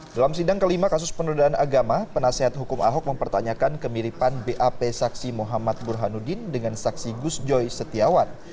dalam sidang kelima kasus penodaan agama penasihat hukum ahok mempertanyakan kemiripan bap saksi muhammad burhanuddin dengan saksi gus joy setiawan